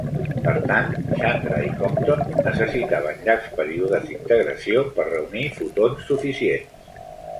Per tant, Chandra i Compton necessitaven llargs períodes d'integració per reunir fotons suficients.